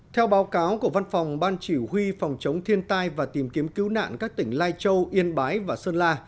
theo báo cáo của văn phòng ban chỉ huy phòng chống thiên tai và tìm kiếm cứu nạn các tỉnh lai châu yên bái và sơn la